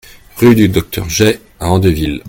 Rue du Docteur Gey à Andeville